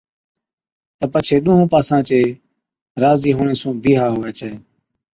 تہ پڇي ڏُونھُون پاسان چي راضِي ھُوڻي سُون بِيھا ھُوي ڇَي